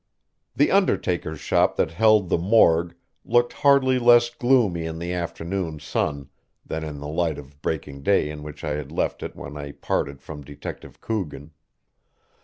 The undertaker's shop that held the morgue looked hardly less gloomy in the afternoon sun than in the light of breaking day in which I had left it when I parted from Detective Coogan.